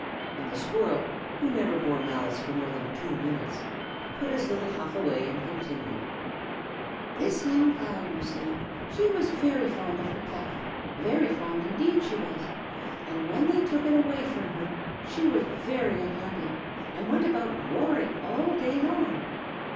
and the squirrel, who never bore malice for more than two minutes, put his little huff away, and continued: This young cow, you see, she was very fond of her calf, very fond indeed she was, and when they took it away from her, she was very unhappy, and went about roaring all day long.